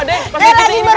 ini beda saya